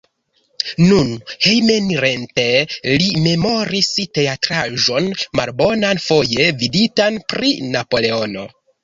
Nun hejmenirante, li rememoris teatraĵon malbonan, foje viditan pri Napoleono.